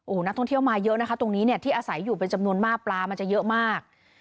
โอ้โหนักท่องเที่ยวมาเยอะนะคะตรงนี้เนี่ยที่อาศัยอยู่เป็นจำนวนมากปลามันจะเยอะมาก